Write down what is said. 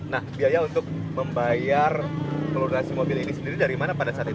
nah biaya untuk membayar fludasi mobil ini sendiri dari mana pada saat itu